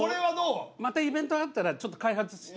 またイベントあったらちょっと開発。